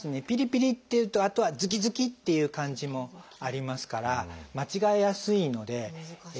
ピリピリっていうのとあとはズキズキっていう感じもありますから間違えやすいので。